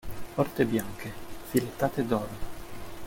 Porte bianche, filettate d'oro.